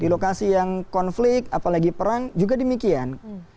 di lokasi yang konflik apalagi perang juga demikian